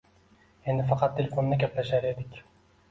Endi faqat telefonda gaplashar edik